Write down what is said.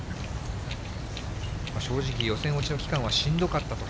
正直、予選落ちの期間はしんどかったと。